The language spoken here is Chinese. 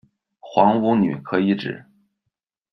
皇五女可以指